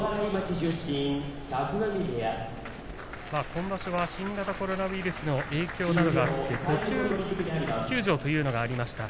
今場所は新型コロナウイルスの影響などがあって途中休場というのがありました。